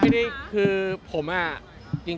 มีโอกาสถาจิดมั้ยคะ